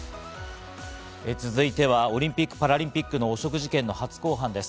続いてはオリンピック・パラリンピックの汚職事件の初公判です。